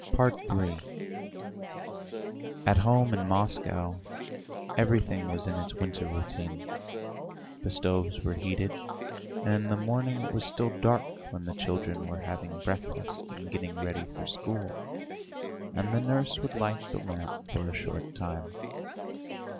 III At home in Moscow everything was in its winter routine; the stoves were heated, and in the morning it was still dark when the children were having breakfast and getting ready for school, and the nurse would light the lamp for a short time.